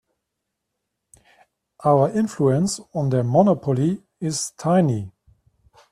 Our influence on their monopoly is tiny.